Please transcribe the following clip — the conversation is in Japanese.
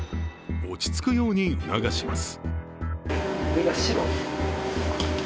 落ち着くように促します。